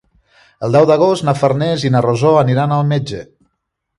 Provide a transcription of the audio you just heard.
El deu d'agost na Farners i na Rosó iran al metge.